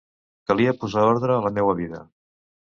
Calia posar ordre a la meua vida.